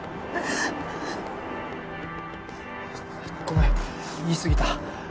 ごめん言い過ぎた。